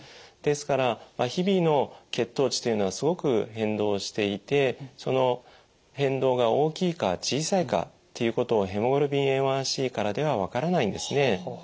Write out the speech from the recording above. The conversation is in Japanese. ですから日々の血糖値というのはすごく変動していてその変動が大きいか小さいかっていうことをヘモグロビンＡ１ｃからでは分からないんですね。